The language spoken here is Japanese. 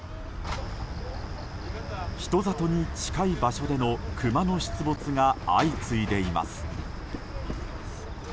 人里に近い場所でのクマの出没が相次いでいます。